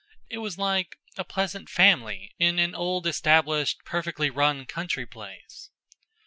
It was like a pleasant family in an old established, perfectly run country place.